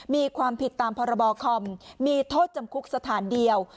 มีความผิดตามพรบคอมมีโทษจำคุกสถานเดียว